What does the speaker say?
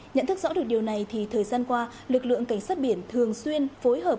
nhận thức rõ được điều này thì thời gian qua lực lượng cảnh sát biển thường xuyên phối hợp